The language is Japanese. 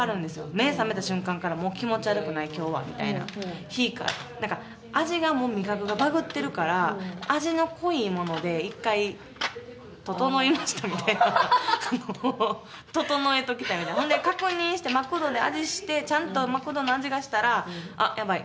目覚めた瞬間からもう気持ち悪くない今日はみたいな味覚がバグってるから味の濃いもので１回整いましたみたいな整えときたいみたいな確認してちゃんとマクドの味がしたらあっヤバい